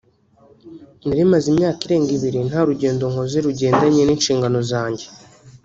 nari maze imyaka irenga ibiri nta rugendo nkoze rugendanye n’inshingano zanjye